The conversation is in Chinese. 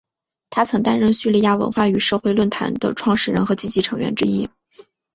他曾担任叙利亚文化与社会论坛的创始人和积极成员之一。